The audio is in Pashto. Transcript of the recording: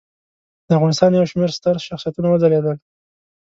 د افغانستان یو شمېر ستر شخصیتونه وځلیدل.